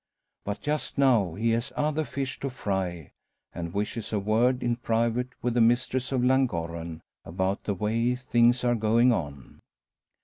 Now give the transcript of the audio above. But just now he has other fish to fry, and wishes a word in private with the mistress of Llangorren, about the way things are going on.